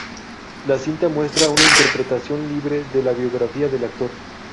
La cinta muestra una interpretación libre de la biografía del actor.